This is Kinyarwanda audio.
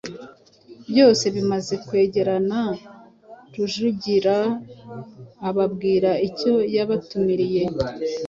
Byose bimaze kwegererana, Rujugira ababwira icyo yabatumiriye,